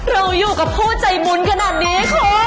เราอยู่กับผู้ใจบุญขนาดนี้ค่ะ